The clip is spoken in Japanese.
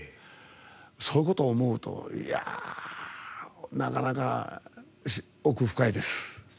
そういうことを思うといやー、なかなか奥が深いです。